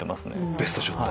ベストショット。